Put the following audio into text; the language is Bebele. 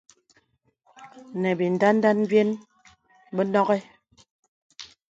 Nə̀ bìndandan byen bə nɔghi.